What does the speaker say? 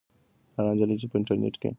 هغه نجلۍ چې په انټرنيټ کې خپروي لایقه ده.